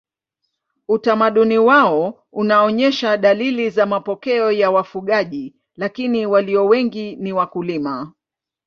Utamaduni wao unaonyesha dalili za mapokeo ya wafugaji lakini walio wengi ni wakulima.